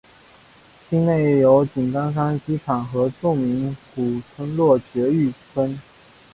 境内有井冈山机场和著名古村落爵誉村。